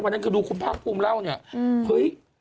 วันนั้นคือดูคุณพ่ากลุมเล่าเนี่ย